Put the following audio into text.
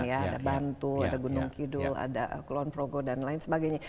ada bantu ada gunung kidul ada kulon progo dan lain sebagainya